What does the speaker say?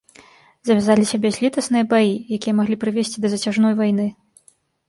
Завязаліся бязлітасныя баі, якія маглі прывесці да зацяжной вайны.